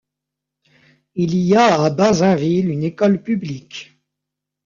Il y a à Bazainville une école publique.